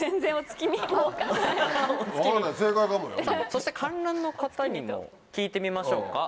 そして観覧の方にも聞いてみましょうか。